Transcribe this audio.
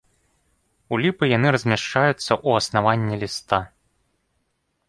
У ліпы яны размяшчаюцца ў аснаванні ліста.